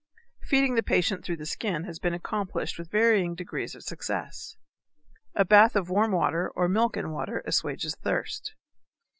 Feeding the patient through the skin has been accomplished with varying degrees of success. A bath of warm water or milk and water assuages thirst.